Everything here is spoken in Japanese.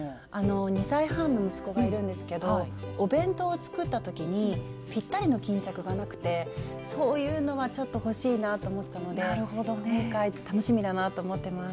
２歳半の息子がいるんですけどお弁当を作った時にぴったりの巾着がなくてそういうのはちょっと欲しいなぁと思ったので今回楽しみだなと思ってます。